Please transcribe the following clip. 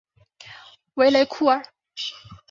维雷库尔。